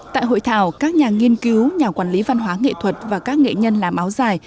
tại hội thảo các nhà nghiên cứu nhà quản lý văn hóa nghệ thuật và các nghệ nhân làm áo dài